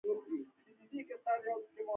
تواب د دېوال سيوري ته د خرې پر کته کېناست.